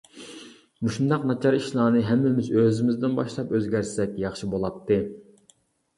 مۇشۇنداق ناچار ئىشلارنى ھەممىمىز ئۆزىمىزدىن باشلاپ ئۆزگەرتسەك ياخشى بولاتتى.